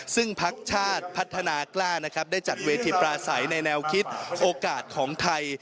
ซึ่งพักชาติพัฒนากล้านะครับได้จัดเวทีปลาใสในแนวคิดโอกาสของไทย